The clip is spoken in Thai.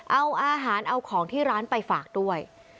เอาอาหารเอาของที่ร้านไปฝากด้วย